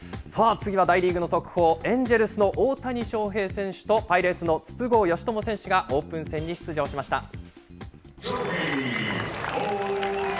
次は大リーグの速報、エンジェルスの大谷翔平選手と、パイレーツの筒香嘉智選手がオープン戦に出場しました。